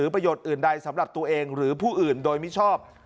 ประโยชน์อื่นใดสำหรับตัวเองหรือผู้อื่นโดยมิชอบ